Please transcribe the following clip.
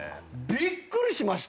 びっくりしました。